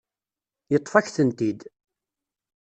Yeṭṭef-ak-tent-id.